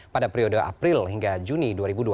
pada periode april hingga juni dua ribu dua puluh